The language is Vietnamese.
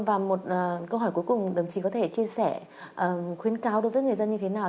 và một câu hỏi cuối cùng đồng chí có thể chia sẻ khuyến cáo đối với người dân như thế nào